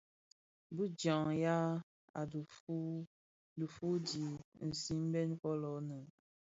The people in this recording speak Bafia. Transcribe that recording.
Bi djaň ya i dhufuu dhi simbèn fōlō nnë.